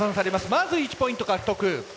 まず１ポイント獲得。